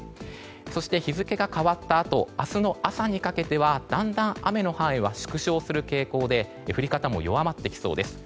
そして、日付が変わったあと明日の朝にかけてはだんだん雨の範囲は縮小する傾向で降り方も弱まってきそうです。